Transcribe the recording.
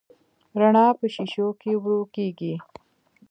رڼا په شیشو کې ورو کېږي.